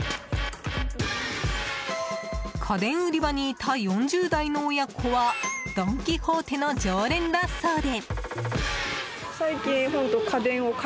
家電売り場にいた４０代の親子はドン・キホーテの常連だそうで。